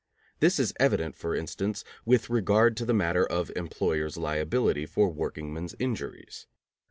This is evident, for instance, with regard to the matter of employers' liability for workingmen's injuries.